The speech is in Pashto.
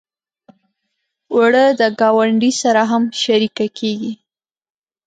اوړه د ګاونډي سره هم شریکه کېږي